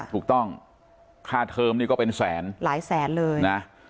ถูกต้องค่าเทอมนี่ก็เป็นแสนหลายแสนเลยนะ